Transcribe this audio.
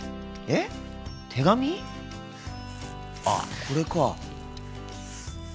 あっこれか。